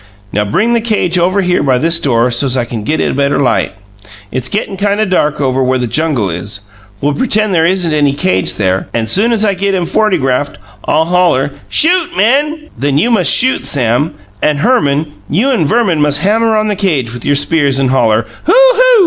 "Now, bring the cage over here by this door so's I can get a better light; it's gettin' kind of dark over where the jungle is. We'll pretend there isn't any cage there, and soon as I get him fortygraphed, I'll holler, 'Shoot, men!' Then you must shoot, Sam and Herman, you and Verman must hammer on the cage with your spears, and holler: 'Hoo! Hoo!'